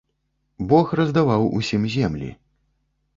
Бог раздаваў усім землі.